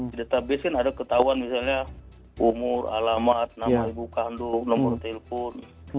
di database kan ada ketahuan misalnya umur alamat nama ibu kandung nomor telepon